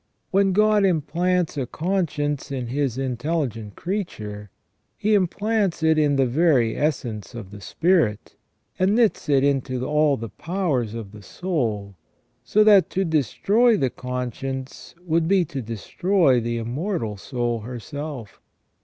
When God implants a conscience in His intelligent creature, He implants it in the very essence of the spirit, and knits it into all the powers of the soul, so that to destroy the conscience would be to destroy the immortal soul herself.